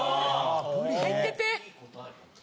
入ってて。